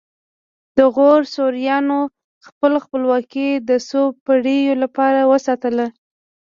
د غور سوریانو خپله خپلواکي د څو پیړیو لپاره وساتله